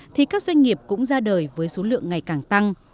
thì các doanh nghiệp cũng ra đời với số lượng ngày càng tăng